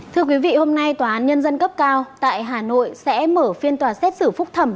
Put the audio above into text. thưa quý vị hôm nay tòa án nhân dân cấp cao tại hà nội sẽ mở phiên tòa xét xử phúc thẩm